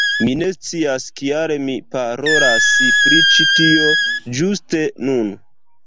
Mi ne scias kial mi parolas pri ĉi tio ĝuste nun